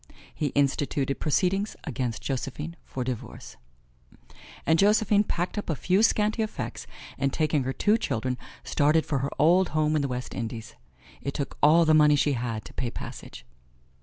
He instituted proceedings against Josephine for divorce. And Josephine packed up a few scanty effects and taking her two children started for her old home in the West Indies. It took all the money she had to pay passage.